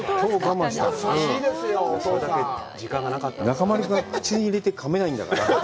中丸君が口に入れてかめないんだから。